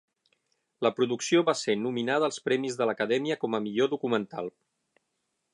La producció va ser nominada als premis de l'acadèmia com a millor documental.